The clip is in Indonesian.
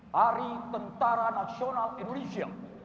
hari tentara nasional indonesia